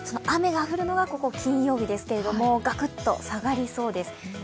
雨が降るのが金曜日ですけどガクッと下がりそうです。